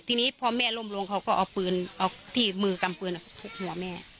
ทีนี้พอแม่ล่มลงเขาก็เอาปืนเอาที่มือกำปืนทุบหัวแม่